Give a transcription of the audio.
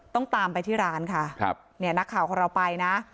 ต้องตามไปที่ร้านค่ะนี่นักข่าวของเราไปนะ